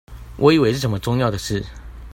我以為是什麼重要的事